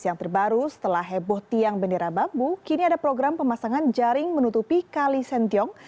yang terbaru setelah heboh tiang bendera bambu kini ada program pemasangan jaring menutupi kali sentiong